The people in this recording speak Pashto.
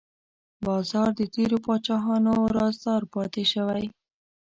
باز د تیرو پاچاهانو رازدار پاتې شوی